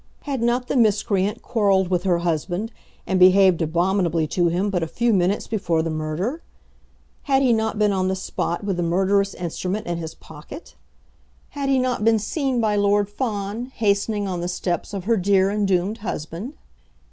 Had not the miscreant quarrelled with her husband, and behaved abominably to him but a few minutes before the murder? Had he not been on the spot with the murderous instrument in his pocket? Had he not been seen by Lord Fawn hastening on the steps of her dear and doomed husband?